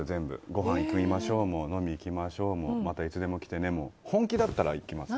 ごはん行きましょうも飲み行きましょうもまたいつでも来てねも本気だったら行きます。